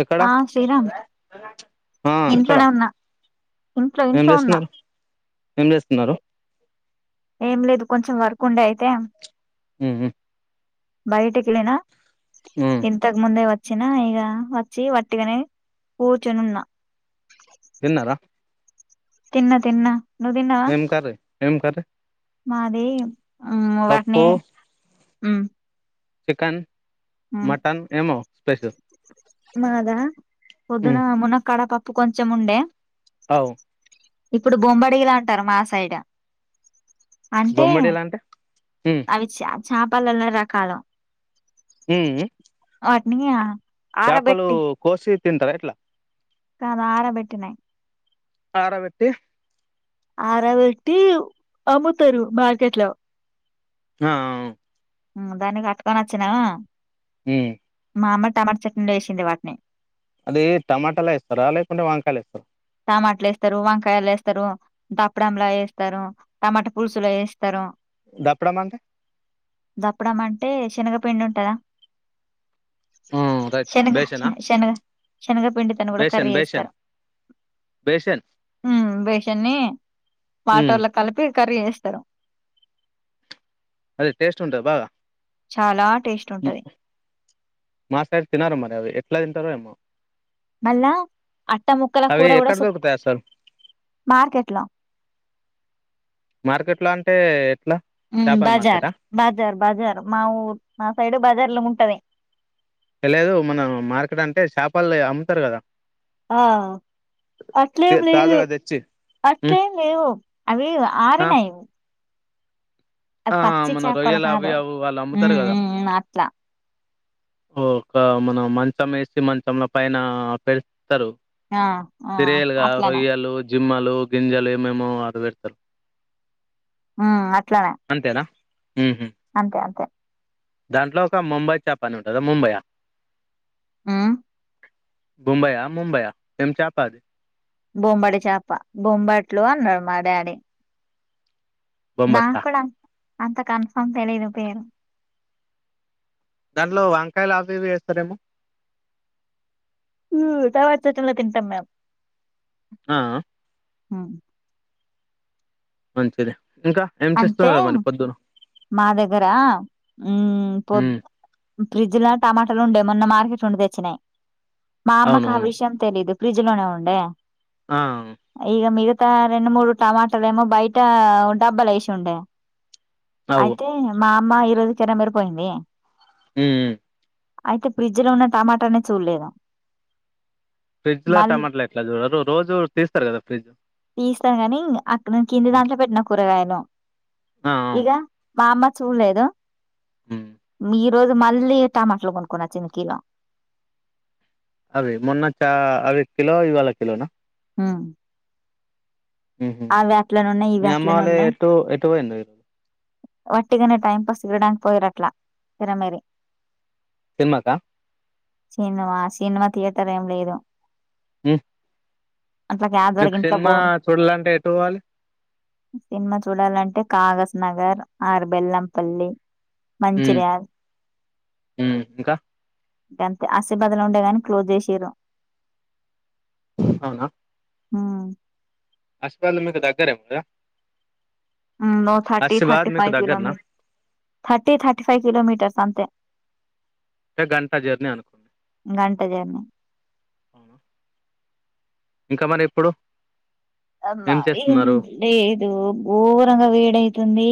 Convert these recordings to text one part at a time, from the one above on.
ఎక్కడ ఆ శ్రీరామ్ ఆ ఎక్కడ ఇంట్లోనే ఉన్నా ఇంట్లో ఇంట్లో ఉన్న ఏమ్ చేస్తున్నారు ఏం లేదు కొంచెం వర్క్ ఉండే అయితే మ్ హ్మ్ బయటికెళ్ళిన ఉ ఇంతకు ముందేవ చ్చిన ఇగ వచ్చి వట్టిగనే కూర్చొని ఉన్నా తిన్నరా తిన్నా తిన్నా నువ్వు తిన్నావా ఏమ్ కర్రీ ఏమ్ కర్రీ మాది ఆ వాటిని పప్పు మ్ చికెన్ మటన్ ఏమో స్పషల్ మాదా ఉ పొద్దున మునక్కాడ పప్పు కొంచెం ఉండే ఔ ఇప్పుడు బొంబడిలాంటరు మా సైడ్ అంటే బొమ్మడీలు అంటే ఉ అవి చ చాపలల్ల రకాలు మ్ మ్ మియా చాపలు కోసి తింటరా ఎట్లా కాదారబెట్టినయి ఆరబెట్టి ఆరవెట్టి అమ్ముతరు మార్కెట్లో ఆ ఆ ఓ దాన్ని కట్టుకొని వచ్చినా మ్ మా అమ్మ టమాటచట్నీలో వేసింది వాటిని అది టమాటాల ఏస్తారా లేకుంటే వంకాయలు ఏస్తారా టమాటలు ఏస్తారు వంకాయలు ఏస్తారు దప్పడంలా ఏస్తారు టమాటా పులుసులో ఏస్తారు దప్పడం అంటే దప్పడం అంటే శనగపిండి ఉంటదా ఉ రైట్ శనగ బేసనా శనగ శనగపిడి తోని కూడా బేసన్ కర్రీ బేసన్ చేేస్తారు బేసన్ మ్ బేషన్ని ఉ వటర్లో కలిపి కర్రీ చేస్తారు అదే టేస్ట్ ఉంటద బాగా చాలా టేస్ట్ మే ఉంటది మా సైడ్ తినరు మరి అవి ఎట్లా తింటారో ఏమో మళ్ళా అట్ట ముక్కల అవి కూర కూడా ఎక్కడ సుప్ దొరుకుతాయి అసలు మార్కెట్ ల మార్కెట్ లో అంటే ఎట్లా మ్ చేపల బజార్ మార్కెటా బాజార్ బజార్ మా ఊర్ మా సైడ్ బజార్ లో ఉంటది తెలిదు మన మార్కెట్ అంటే షాపాలు అమ్ముతారు కదా ఆ అట్లేం లేదు తాజాగా తెచ్చి ఉమ్, అట్లేం లేవు అవి ఆరినాయ్ ఆ ఆ మన చేపలు రొయ్యలు అవి కాదు అవి వాళ్ళు అమ్ముతారు ఉమ్ కదా ఉమ్ ఉమ్ అట్లా ఓ ఒక మన మంచం వేసి మంచంల పైన పె స్తారు ఆ ఆ సిరియల్గా అట్లనే రొయ్యలు జిమ్మాలు గింజాలు ఏమేమో ఆది పెడుతరు ఆ అట్ అంతేనా ఉహు. అంతే అంతే దాంట్లో ఒక ముంబై చేపని ఉంటుంద ముంబయ ఆ ముంబై ఆ ముంబైయా ఎం చాపాది బొంబడి చేప బొంబట్లు అన్నాడు మా డాడీ నా బొంబట్లా కూడా అంత అంత కన్ఫామ్ తెలీదు పేరు దాంట్లో వంకాయలవి ఇవి చేస్తారేమో మ్ తర్వాత సిచిన్ లో తింటం మేం ఆ ఆ హ వ్ మంచిది ఇంకా ఏం అంటే చేస్తున్నారు మరి పొద్దున మా దగ్గర మ్ పొద్ ఉమ్, ఫ్రిడ్జ్ ల టమాటలు ఉండే మొన్న మార్కెట్ ఉండి తెచ్చినయ్ మా అమ్మకు ఆ అవునవును విషయం తెలీదు ఫ్రిడ్జ్ లోనే ఉండే ఆ ఈగ మీగ త ఇగ రెండు మూడు టమాటలేమో బయట ఓ డబ్బాలేశుండే అవు అయితే మా అమ్మ ఈరోజు చేరమేరా పోయింది మ్ మ్ అయితే ఫ్రిడ్జ్ లో ఉన్న టమాటల్ని చూడలేదు ఫ్రిడ్జ్ ల మళ్ళీ టమాటలు ఎట్లా చూడరు రోజు తీస్తారు కదా ఫ్రిడ్జ్ తీస్తాను కానీ అక్కడ కింది దాంట్లో పెట్టిన కూరగాయను ఆ అవును ఇగా మా అమ్మ చూడలేదు ఉమ్. మీర్ ఈ రోజు మళ్ళీ టమాట్లో కొనుక్కొని అచ్చింది కీలో అవి మొన్నా చా అవి కిలో ఇవివాళ కిలోనా హుమ్ మ్ హు ఉన్నాయి మీ ఇవి అమ్మ అట్లనే వాల ఉన్నాయి ఎటు ఎటు పోయింది వట్టిగానే టైంపాస్ తిరడానికి పోయిరట్లా తెరమేరి సినిమాకా సినిమా సినిమా థియేటర్ ఏం లేదు ఉమ్ అట్లాగాదు మీకు ఇంట్లో సినిమా బోరు చూడాలంటే ఎటు పోవాలి సినిమా చూడాలంటే కాగస్ నగర్ ఆరుబెల్లంపల్లి ఉమ్, మంచిర్యాల్ ఉమ్. ఇంకా గంతే ఆసిబాద్లో ఉండేదాని క్లోజ్ చేసిరు అవున ఉమ్ హాస్పిటల్ మీకు దగ్గర మళ్ళ ఉమ్ thirty thirty five kilometre thirty thirty five kilometres అంతే అంటే గంట జర్నీ అనుకో గంట జర్నీ అవునా ఇక మరి ఇప్పుడు అమ్మా ఏం చేస్తున్నారు ఏంలేదు ఘోరంగా వేడైతుంది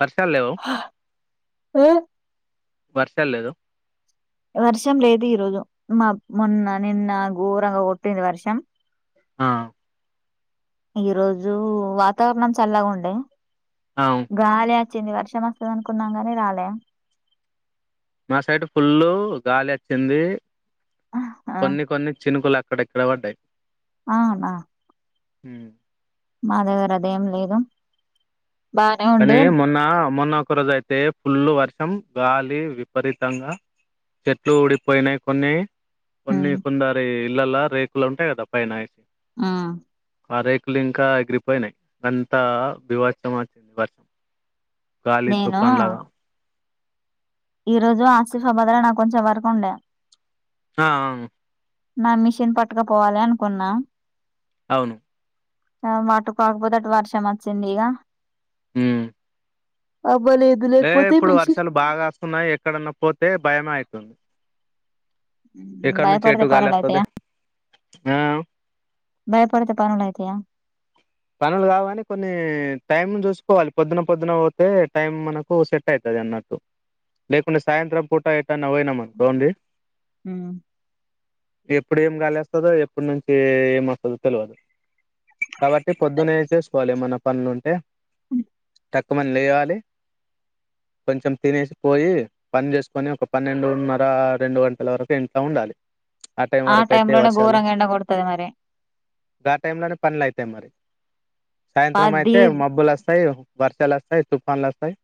వర్షల్లేవు వర్షాలు లేదు వర్షం లేదు ఈరోజు మమొన్న నిన్న ఘోరంగా కొట్టింది వర్షం ఆ ఈ రోజు వాతావరణం చల్లగా ఉండే అవును. గాలి వచ్చింది వర్షం వస్తుంది అనుకున్నాం గని రాలే మా సైడ్ ఫుల్ గాలి అచ్చింది ఆ కొన్ని కొన్ని చినుకులు అ పడయ్ ఇక్కడ వడ్డయ్ అవునా ఉమ్ మా దగ్గరే అదేం లేదు బానే కానీ ఉండే మొన్న మొన్న ఒకరోజై అయితే ఫుల్ వర్షం గాలి విపరీతంగా చెట్లు ఊడిపోయినాయ్ కొన్ని కొన్ని ఉమ్ కుందారి ఇళ్లల రేకులు ఉంటై కద పైన ఏసి ఆ అ రేకులు ఇంక ఎగిరిపోయినయి అంతా బీభత్సం వచ్చింది వర్షం గాలి నేను తుఫాన్ లాగా ఈ రోజు ఆసిఫబాద్లో నాకు కొంచెం వర్క్ ఉండే ఆ అహు నా మిషన్ పట్టుకపోవలి అనుకున్న అవును ఆ మాటు కాకపోతే అటు వర్షం వచ్చింది ఇగ ఉమ్ అ ఏ ఇప్పుడు వర్షాలు బాకాస్తున్నాయి ఎక్కడన్నా పోతే భయమే అయితుంది ఎక్కనుంచి భయపడితే పనులు ఎటుగాలోస్తుంది అయితాయా ఆ భయపడుతే పనులయితయ పనులు కావని కొన్ని టైమ్ చూసుకోవాలి పొద్దున్న పొద్దున పోతే టైమ్ మనకు సెట్ అయితది న్నట్టు లేకుంటే సాయంత్రం పూట ఎక్కడ పోయినమనుకోండి ఇ ఇప్పుడు ఏం గాలోస్తుందో ఎప్పటి నుంచి ఎం వస్తుందో తెలవది కాబ టీ పొద్దునే శేసుకోవాలి ఏమన్న పనులుంటే టక్కుమని లేవాలి కొంచెం తినేసి పోయి పని చేసుకొని ఒక పన్నెండున్నర రెండు గంటల వరకు ఇంట్లో ఉండాలి ఆ టైం వరకు అయితే టైమ్ లోనే వర్షాలు ఘోరంగా ఎండ కొడుతది మరి ఆ టైం పనులు అయితే సాయంత్రం పది అయితే మబ్బులు అస్తాయి వర్షాలు అస్తాయి తుఫాన్లు అస్తాయి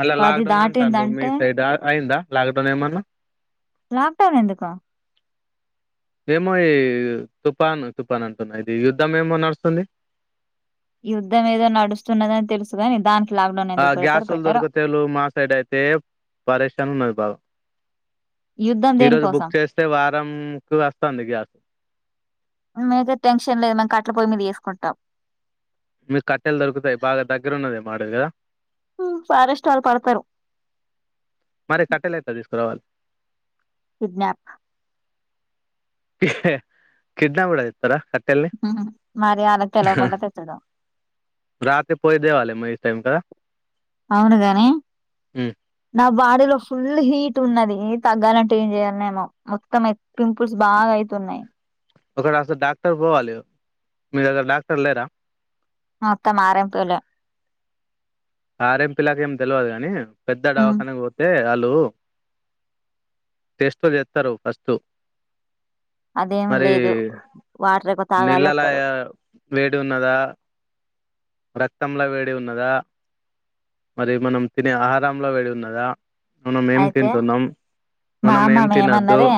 మళ్ళా లాక్ పది డౌన్ అంటన్రు మీ దాటిందంటే సైడ్ అ అయిందా లాక్ డౌన్ ఏమన్నా లాక్ డౌన్ ఎందుకు ఏమో ఈ తుపాన్ తుపాన్ అంటున్నా ఇది యుద్ధం ఏమో నడుస్తుంది. యుద్ధం ఏదో నడుస్తున్నదని తెలుసుగాని దానికి లాక్డౌన్ ఆ ఎందుకు గ్యాస్ పెడతారు వాళ్ళు పెట్టరు దొరికతేళు మా సైడ్ అయితే పరేషన్ ఉన్నయి బాగా యుద్ధం ఈరోజు బుక్ దేనికోసం చేస్తే వారం కు ఆస్తుంది గ్యాస్ మాక్ ఆ టెన్షన్ లేదు మం కట్ల పోయి మీద చేసుకుంటాం మీకు కట్టెలు దొరుకుతాయి బాగా దగ్గర ఉన్నది అడవి కదా ఫారెస్ట్ ఆల్ పడతారు మరి కట్టెలు అట్ల తీసుకురావాల్ కిడ్నాప్ కిడ్నాప్ కుడజేతర ఉ మరి ఆలకు తెలియకుండా తెచ్చేద రాత్రి పోయి దెవాల ఏం టైమ్కా అవును కానీ హ్మ్. నా బాడీలో ఫుల్ హీట్ ఉన్నది. తగ్గాలంటే ఏం చేయ్యాలనేమో మొత్తం పింపుల్స్ బాగా అయి తున్నాయి ఒకడ అస్సలు డాక్టర్ పోవాలె మీ దగ్గర డాక్టర్ లేరా మొత్త ఆర్ఎంపి లే ఆర్ఏంపి లకు ఏం తెల్వదు గాని పెద్ద డవాఖనకు పోతేళ్ లు టెస్ట్ తో చేస్తారు ఫస్ట్ అదేం మరి లేదు వాటర్ ఎక్కువ నీళ్లలయ తాగాలంటారు వేడ్ ఉన్నదా రక్తంలో వేడి ఉన్నదా మరి మనం తినే ఆహారంలో వేడి ఉన్నదా మనం ఏం అయితే తింటున్నాం మా మనం ఏం అమ్మమ తినద్దు మేమన్నదె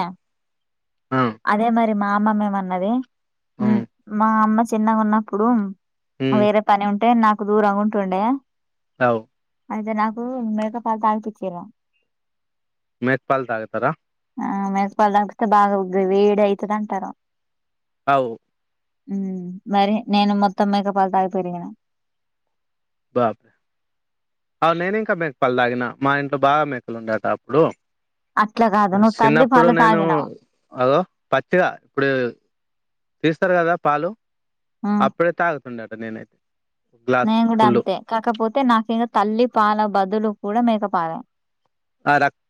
ఆ అదే మరి మా అమ్మమ్మ మేమన్నది ఉమ్ మా అమ్మ చిన్నగా ఉన్నప్పుడు ఉమ్ వేరే పని ఉంటే నాకు దూరం ఉంటుండే అవ్ అయితే నాకు మేక పాలు తాగిపిచ్చిన్రు పాల్ తాగతారా ఆ మేకపాల తాగితే బాగా వేడి అయితది అంటరు అవ్ ఉమ్ మరి నేను మొత్తం మేక పాలతాగి పెరిగిన బా అవు నేను ఇంకా మెక పాలు తాగిన మా ఇంట్లో బాగా మేకలు ఉండేట అప్పుడు అట్లా కాదు నువ్వు తల్లి షిన్నప్పుడు పాలు నేను తాగినావు అగో పత్తిగా ఇప్పుడు తీస్తారు కదా పాలు ఉమ్ అప్పుడే తాగుతుండేటా నేనే నేను కూడా అంతే కాకపోతే నక్ ఇంకా తల్లి పాల బదులు కూడా మేకపాలే ఆ రాక్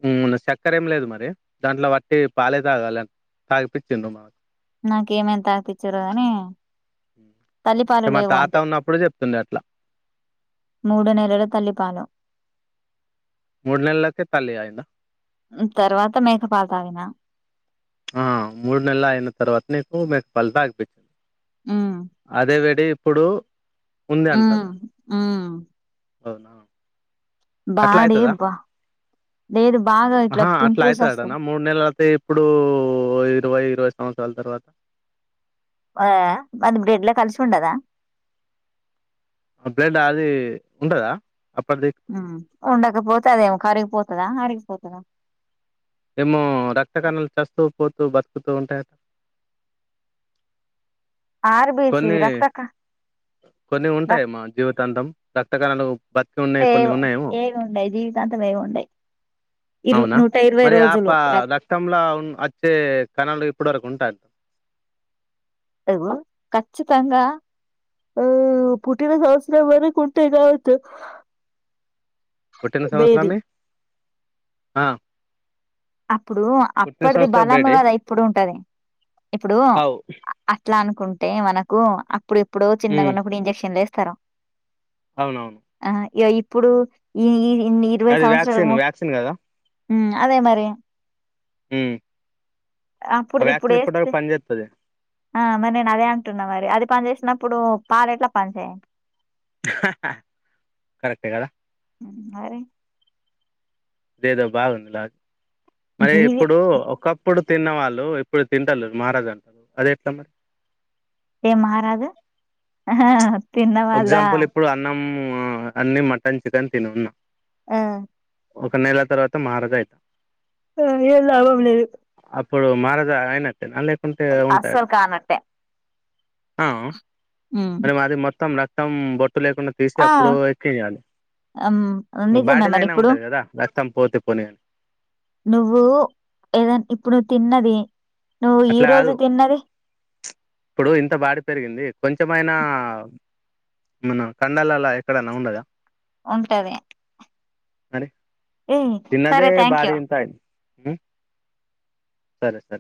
సక్కర ఏమి లేదు మరి దాంట్లో వట్టి పాలే తాగాలె తాగిపించిన్రు మాకు నాకు ఏమేం తాగిపిచ్చిరు గాని తల్లిపాలు అ మ లేవు తాత అంతే ఉన్నప్పుడు చెప్తుండే అట్లా మూడు నెలల తల్లిపాలు మూడు నెలలకే తల్లి అయిందా తర్వాత మేక పాలు తాగిన ఆ మూడు నెల్లయిన తరువతనేకు నీకు మెకపాల్ తగిపి ఉమ్ అదేవిడి ఇప్పుడు ఉంది ఉ అంటారు మ్ అవునా అట్లా అయితదా బాడిబ్బా ఆహా అట్లా వస్తాయి అయితదటన మూడు నెలలు అయితే ఇప్పుడు ఇరవై ఇరవై సంవత్సాల తర్వాత ఆ అది బ్రెడ్ ల కలిసి ఉండదా బ్లడ్ అది ఉంటదా అప్పటిది ఇప్పుడు ఉ ఉండకపోతే అదేమ్ కరిగిపోతదా అరిగిపోతదా ఎమో రక్త కణాల్ చస్తూ పో తు బత్కుతూ ఉంటయ్ ఆర్ బి సి రక్త క కొన్ని ఉంటాయ్ మా జీవతంతం రక్తకణాలు బత్కి ఉన్నయ్ కొన్ని ఉన్నయేమో అంటెవేవ్ ఉండయ్ ఇరు నూట ఇర్ మరి ఆప రక్తంల ఉ ఒచ్చే కణాలు ఇప్పుటి వరకు ఉంటాద్ వు కచ్చితంగా ఆ పుట్టిన సంవత్స్రం వరకు ఉంటయ్ కావొచ్చు పుట్టిన సంవత్సరమే ఆ అప్పుడు పుట్టిన అప్పడ్ది సంవత్సరం బలమ్ బేడి కదా ఇప్పుడు ఉంటది ఇప్పుడు అవు అ అట్లన్ కుంటే మనకు అప్పుడ్ ఎప్పుడో చిన్నగున్నప్పుడు ఇంజెక్షన్లు ఏస్తరు ఔనవును ఇగ ఇప్పుడు ఈ ఈ ఇన్ ఇరవై అది వ్యాక్సిన్ సంవత్స్రాలము వ్యాక్సిన్ కదా మ్ అదే మరి మ్ ఆ అప్పుడుది ఇప్పుడు వ్యాక్సిన్ ఎప్పుడి దాక వేస్తే పనిచేత్తది ఆ మర్ నేన్ అదే అంటున్న మరి అది పని చేసినప్పుడు పాలెట్ల పన్ చేయయ్ కరెక్టెగద మ్ మరి ఇదేదో బాగుంది లాగ్ మరి జీవి ఇప్పుడు ఒకప్పుడ్ తిన్నవాళ్ళు ఇప్పుడు తింటలెర్ మరాద్ అసలు అదెట్ల మరి ఏం మారాదు ఎగ్జాంపుల్ ఇప్పుడు అన్నం అన్ని మట్టన్ చికెన్ తినున్న అ ఒక నెల తర్వాత మారధైత ఆయ్యేమ్ లాభంలేదు అప్పుడు మారజ ఐన తెన లేకుంటే ఉంటద్ అస్సలు కానట్టే ఆ హ్మ్. మరి మాది మొత్ త్తం రక్తం బొట్టు లేకుండ తీస్తె ఆ అప్పుడూ ఎక్కియ్యాలి అమ్, నిజమే మరి బాడీలైన ఇప్పుడు ఉంటది కదా రక్తం పోతె పోని గని నువ్వు ఎద ఇప్పుడు తిన్నది నువ్వు ఈ అట్ల రోజు గాదు తిన్నది ఇప్పుడు ఇంత బాడి పెరిగింది కొంచమైనా మన కండలల్ల ఎక్కడైన ఉండదా ఉంటది మరె ఏ తిన్నదే సరే థ్యాంక్ బాడి యూ ఇంత మ్ సరె సరె